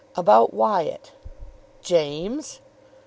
About Wyatt." "James!"